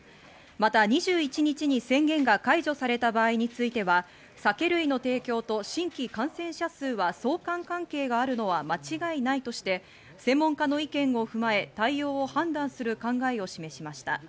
また２１日に宣言が解除された場合については、酒類の提供と新規感染者数は相関関係があるのは間違いないとして、専門家の意見を踏まえ、対応判断する考えを示しました。